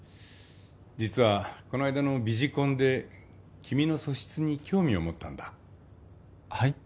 実はこの間のビジコンで君の素質に興味を持ったんだはい？